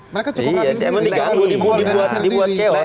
mereka cukup rapi sendiri